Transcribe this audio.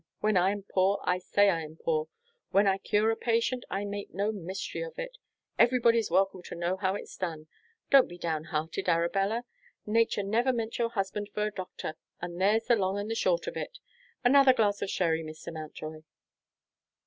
When I am poor, I say I am poor. When I cure a patient, I make no mystery of it; everybody's welcome to know how it's done. Don't be down hearted, Arabella; nature never meant your husband for a doctor, and there's the long and the short of it. Another glass of sherry, Mr. Mountjoy?"